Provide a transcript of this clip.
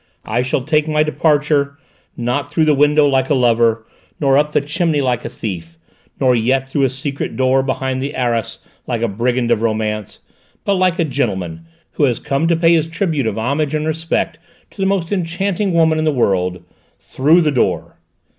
"I shall take my departure, not through the window like a lover, nor up the chimney like a thief, nor yet through a secret door behind the arras like a brigand of romance, but like a gentleman who has come to pay his tribute of homage and respect to the most enchanting woman in the world through the door!"